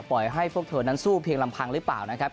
ปล่อยให้พวกเธอนั้นสู้เพียงลำพังหรือเปล่านะครับ